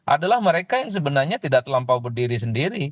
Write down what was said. adalah mereka yang sebenarnya tidak terlampau berdiri sendiri